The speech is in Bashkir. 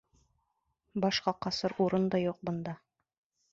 -Башҡа ҡасыр урын да юҡ бында.